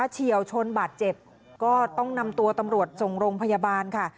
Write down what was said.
เฉียวชนบาดเจ็บก็ต้องนำตัวตำรวจส่งโรงพยาบาลค่ะ